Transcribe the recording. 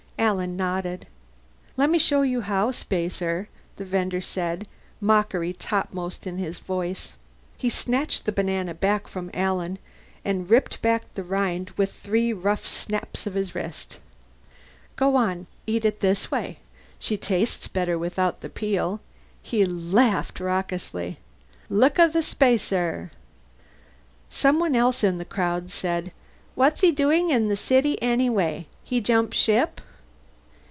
Alan nodded. "Lemme show you how, spacer," the vender said, mockery topmost in his tone. He snatched the banana back from Alan and ripped back the rind with three rough snaps of his wrist. "Go on. Eat it this way. She tastes better without the peel." He laughed raucously. "Looka the spacer!" Someone else in the crowd said, "What's he doing in the city anyway? He jump ship?"